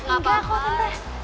enggak kok tante